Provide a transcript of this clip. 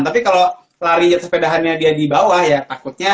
tapi kalau lari di atas sepedaannya dia di bawah ya takutnya